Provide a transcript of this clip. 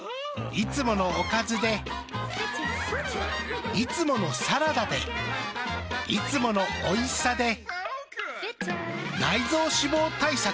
いつものおかずでいつものサラダでいつものおいしさで内臓脂肪対策。